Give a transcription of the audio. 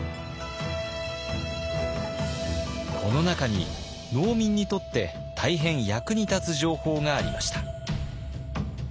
この中に農民にとって大変役に立つ情報がありました。